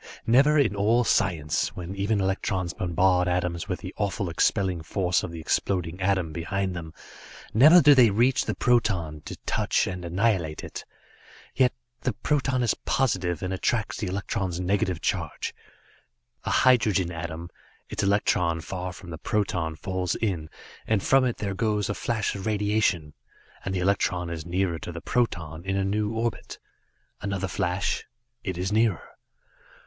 Never in all science, when even electrons bombard atoms with the awful expelling force of the exploding atom behind them, never do they reach the proton, to touch and annihilate it. Yet the proton is positive and attracts the electron's negative charge. A hydrogen atom its electron far from the proton falls in, and from it there goes a flash of radiation, and the electron is nearer to the proton, in a new orbit. Another flash it is nearer.